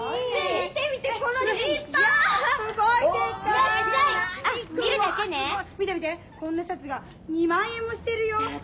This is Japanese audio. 見て見てこんなシャツが２万円もしてるよ。